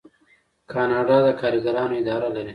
کاناډا د کارګرانو اداره لري.